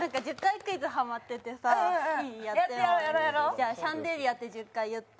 じゃあシャンデリアって１０回言って。